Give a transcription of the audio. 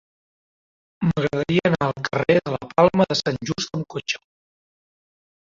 M'agradaria anar al carrer de la Palma de Sant Just amb cotxe.